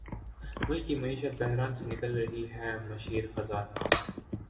ملک کی معیشت بحران سے نکل رہی ہے مشیر خزانہ